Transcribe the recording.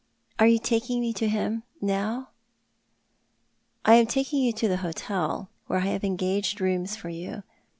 Are you taking mc to him — now ?"" I am taking you to the hotel, where I have engaged rooms for you.